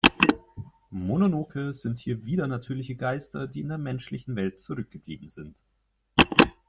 Mononoke sind hier widernatürliche Geister, die in der menschlichen Welt zurückgeblieben sind.